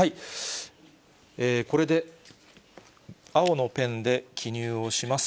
これで青のペンで記入をします。